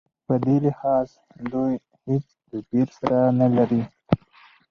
په دې لحاظ دوی هېڅ توپیر سره نه لري.